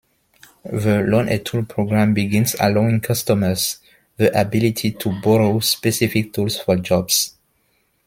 The Loan-A-Tool program begins allowing customers the ability to borrow specific tools for jobs.